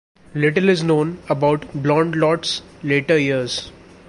Little is known about Blondlot's later years.